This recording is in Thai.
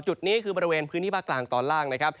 จุดนี้คือบริเวณพื้นที่ภาคกลางตอนล่างนะครับ